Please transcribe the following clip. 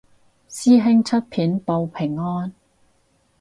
師兄出片報平安